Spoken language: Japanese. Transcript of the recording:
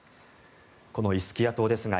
このイスキア島ですが